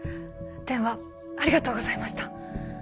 電話ありがとうございました